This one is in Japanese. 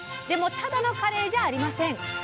でもただのカレイじゃありません。